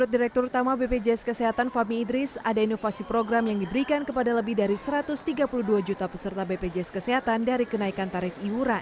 dan bisa selalu berkembang